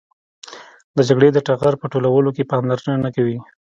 د جګړې د ټغر په ټولولو کې پاملرنه نه کوي.